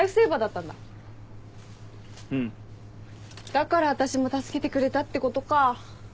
だから私も助けてくれたってことか。